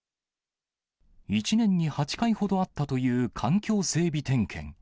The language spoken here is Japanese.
１年に８回ほどあったという環境整備点検。